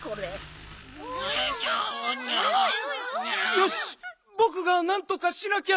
よしぼくがなんとかしなきゃ。